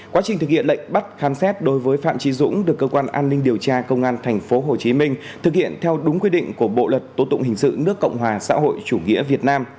quá trình thực hiện lệnh bắt khán xét đối với phạm trí dũng được cơ quan an ninh điều tra công an thành phố hồ chí minh thực hiện theo đúng quy định của bộ luật tố tụng hình sự nước cộng hòa xã hội chủ nghĩa việt nam